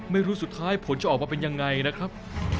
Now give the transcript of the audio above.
ไม่รู้สุดท้ายผลจะออกมาเป็นยังไงนะครับ